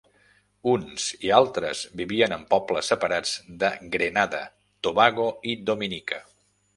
Uns i altres vivien en pobles separats de Grenada, Tobago i Dominica.